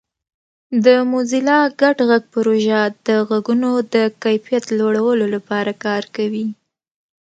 د موزیلا ګډ غږ پروژه د غږونو د کیفیت لوړولو لپاره کار کوي.